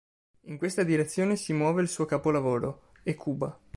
In questa direzione si muove il suo capolavoro, Ecuba.